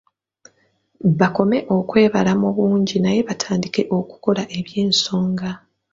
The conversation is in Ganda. Bakome okwebala mu bungi naye batandike okukola eby’ensonga.